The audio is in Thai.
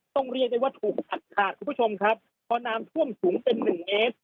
เรียกได้ว่าถูกตัดขาดคุณผู้ชมครับพอน้ำท่วมสูงเป็นหนึ่งเมตร